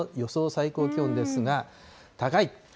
最高気温ですが、高い。